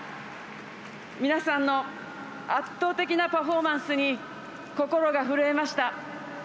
皆さんの圧倒的なパフォーマンスに心が震えました。